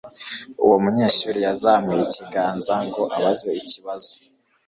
Uwo munyeshuri yazamuye ikiganza ngo abaze ikibazo.